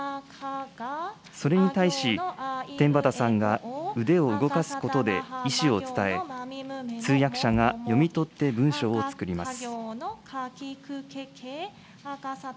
それに対し、天畠さんが腕を動かすことで、意思を伝え、通訳者が読み取って文章をつくります。